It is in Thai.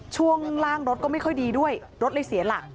ช่วงล่างรถก็ไม่ค่อยดีด้วยรถเลยเสียหลัก